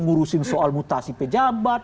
ngurusin soal mutasi pejabat